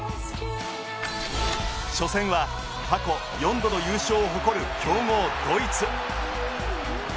初戦は過去４度の優勝を誇る強豪ドイツ。